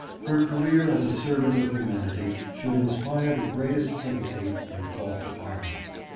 Her career as a servant of humanity should inspire the greatest sympathy and call for pardon.